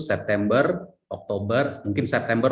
september oktober mungkin september